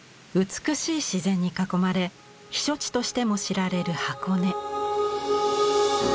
美しい自然に囲まれ避暑地としても知られる箱根。